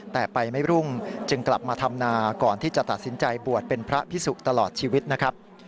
แต่ไปไม่รุ่งจึงกลับมาทำนาก่อนที่จะตัดสินใจบวชเป็นพระพิสุตลอดชีวิตนะครับ